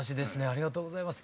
ありがとうございます。